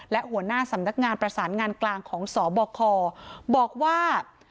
และหัวหน้าสำนักงานประสานงานกลางของสบคบอกว่า